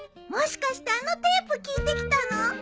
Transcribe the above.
もしかしてあのテープ聴いてきたの？